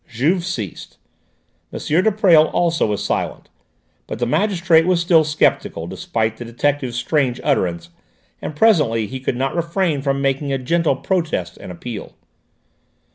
Juve ceased. M. de Presles also was silent. But the magistrate was still sceptical, despite the detective's strange utterance, and presently he could not refrain from making a gentle protest and appeal.